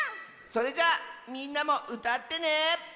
それじゃあみんなもうたってね！